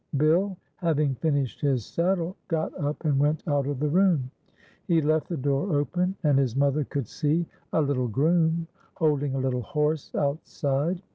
Bill, having finished his saddle, got up and went out of the room. He left the door open, and his mother could see a little groom holding a little horse outside.